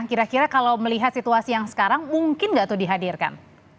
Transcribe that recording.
kira kira kalau melihat situasi yang sekarang mungkin nggak tuh dihadirkan